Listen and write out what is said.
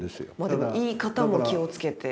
でも言い方も気を付けて。